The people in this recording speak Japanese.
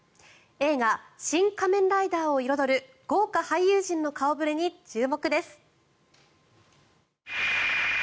映画「シン・仮面ライダー」を彩る豪華俳優陣の顔触れに注目です。